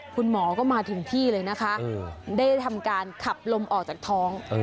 คุณหมอก็มาถึงที่เลยนะคะได้ทำการขับลมออกจากท้อง